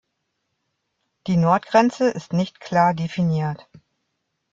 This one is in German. Die Nordgrenze ist nicht klar definiert.